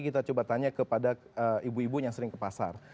kita coba tanya kepada ibu ibu yang sering ke pasar